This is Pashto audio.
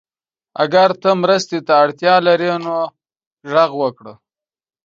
اگر ته مرستې ته اړتیا لرې نو غږ وکړه.